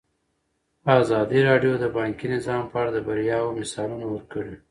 ازادي راډیو د بانکي نظام په اړه د بریاوو مثالونه ورکړي.